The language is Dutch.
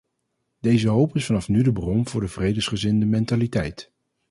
Deze hoop is vanaf nu de bron voor de vredesgezinde mentaliteit.